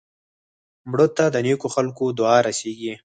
مړه ته د نیکو خلکو دعا رسېږي